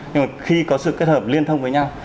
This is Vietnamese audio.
nhưng mà khi có sự kết hợp liên thông với nhau